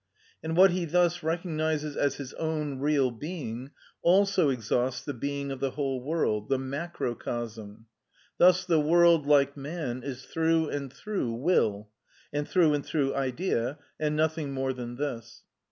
And what he thus recognises as his own real being also exhausts the being of the whole world—the macrocosm; thus the world, like man, is through and through will, and through and through idea, and nothing more than this.